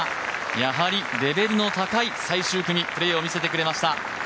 やはりレベルの高い最終組プレーを見せてくれました。